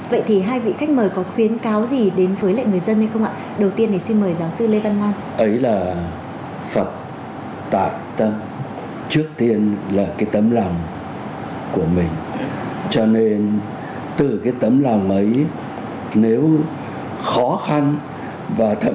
vậy thì hai vị khách mời có khuyến cáo gì đến với lại người dân hay không ạ